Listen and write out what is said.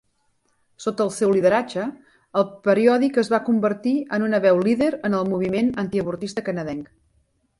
Sota el seu lideratge, el periòdic es va convertir en una veu líder en el moviment antiavortista canadenc.